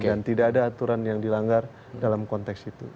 dan tidak ada aturan yang dilanggar dalam konteks itu